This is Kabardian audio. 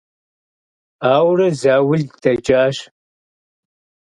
Ауэрэ заул дэкӀащ.